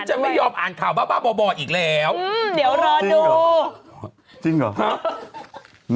ชิลลี่ซอส